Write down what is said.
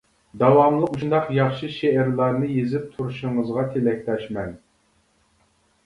داۋاملىق مۇشۇنداق ياخشى شېئىرلارنى يېزىپ تۇرۇشىڭىزغا تىلەكداشمەن.